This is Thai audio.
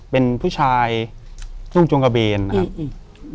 เป็นผู้ชายทรุงจงกระเบนนะครับ